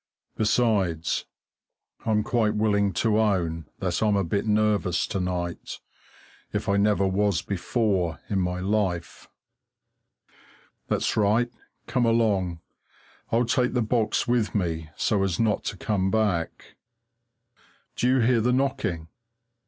Besides, I'm quite willing to own that I'm a bit nervous to night, if I never was before in my life. That's right, come along! I'll take the box with me, so as not to come back. Do you hear the knocking?